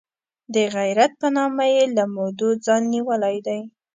د غیرت په نامه یې له مودو ځان نیولی دی.